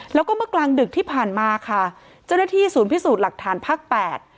แล้วก็เมื่อกลางดึกที่ผ่านมาค่ะเจ้าหน้าที่ศูนย์พิสูจน์หลักฐานภาคแปด